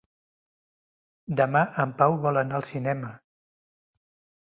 Demà en Pau vol anar al cinema.